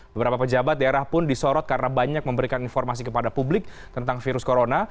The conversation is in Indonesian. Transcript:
beberapa pejabat daerah pun disorot karena banyak memberikan informasi kepada publik tentang virus corona